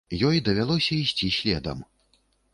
Ёй давялося ісці следам.